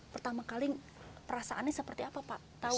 pertama kali perasaannya seperti apa pak